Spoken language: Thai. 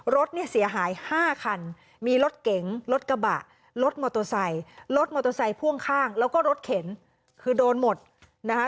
รถเนี่ยเสียหาย๕คันมีรถเก๋งรถกระบะรถมอเตอร์ไซค์รถมอเตอร์ไซค์พ่วงข้างแล้วก็รถเข็นคือโดนหมดนะคะ